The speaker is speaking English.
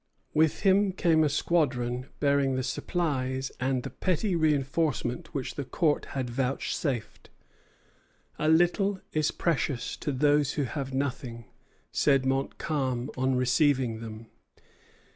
With him came a squadron bearing the supplies and the petty reinforcement which the Court had vouchsafed. "A little is precious to those who have nothing," said Montcalm on receiving them.